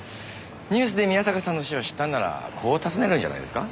ニュースで宮坂さんの死を知ったんならこう尋ねるんじゃないですか？